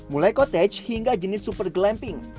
mulai cottage hingga jenis super glamping